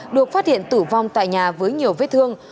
được phát hiện tử vong tại nhà với nhiều vết thương